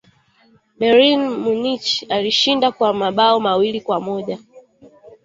bayern munich ilishinda kwa mabao mawili kwa moja